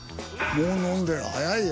もう飲んでる早いよ。